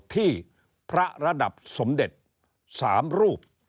ที่พระระดับสมเด็จ๓รูป